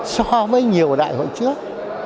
so với nhiều đại hội trước